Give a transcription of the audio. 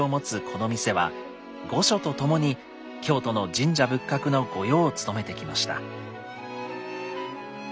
この店は御所とともに京都の神社仏閣の御用を務めてきました。